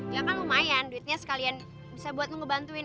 ya kan lumayan duitnya sekalian bisa buat ngebantuin